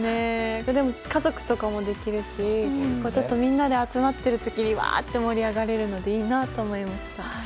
家族とかもできるしちょっとみんなで集まってる時にわーって盛り上がれるのでいいなって思いました。